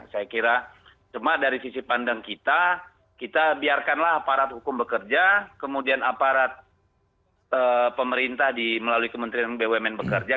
saya kira cuma dari sisi pandang kita kita biarkanlah aparat hukum bekerja kemudian aparat pemerintah melalui kementerian bumn bekerja